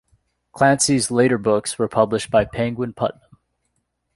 Clancy's later books were published by Penguin Putnam.